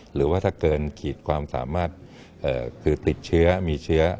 หรือว่าถ้าเกินขีดความสามารถคือติดเชื้อมีเชื้อ